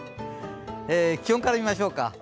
気温から見ましょうか。